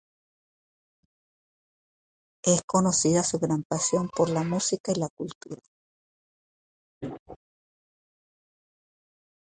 Es conocida su gran pasión por la música y la cultura.